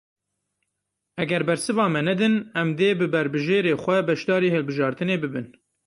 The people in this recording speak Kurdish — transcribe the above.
Eger bersiva me nedin em dê bi berbijêrê xwe beşdarî hilbijartinê bibin.